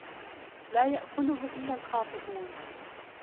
لا يَأْكُلُهُ إِلاَّ الْخَاطِؤُونَ